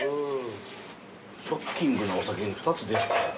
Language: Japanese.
ショッキングなお酒に２つ出合った。